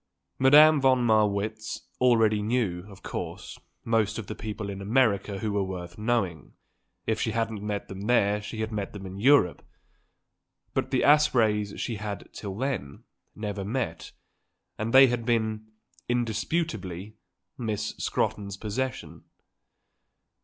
Madame von Marwitz already knew, of course, most of the people in America who were worth knowing; if she hadn't met them there she had met them in Europe; but the Aspreys she had, till then, never met, and they had been, indisputably, Miss Scrotton's possession.